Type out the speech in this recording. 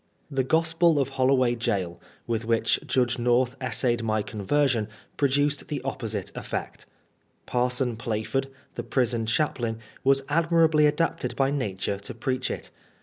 The Gospel of Holloway G^l, with which Judge North essayed my conversion, produced the opposite effect. Parson Plaford, the prison chaplain, was admirably adapted by nature to preach it.